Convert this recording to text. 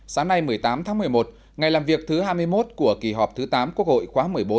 sáng nay một mươi tám tháng một mươi một ngày làm việc thứ hai mươi một của kỳ họp thứ tám quốc hội khóa một mươi bốn